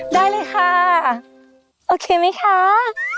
ได้เลยค่ะโอเคไหมคะ